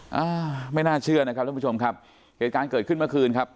อ่าไม่น่าเชื่อนะครับทุกผู้ชมครับเหตุการณ์เกิดขึ้นเมื่อคืนครับ